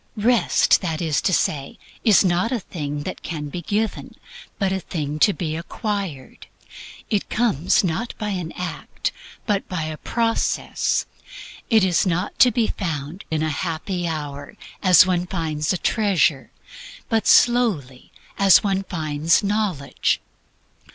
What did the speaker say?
Rest, (that is to say), is not a thing that can be given, but a thing to be acquired. It comes not by an act, but by a process. It is not to be found in a happy hour, as one finds a treasure; but slowly, as one finds knowledge.